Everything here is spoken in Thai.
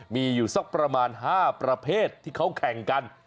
มีอยู่สักประมาณ๕ประเภทที่เขาแข่งกัน